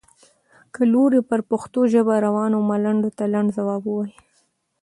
له لوري پر پښتو ژبه روانو ملنډو ته لنډ ځواب ووایم.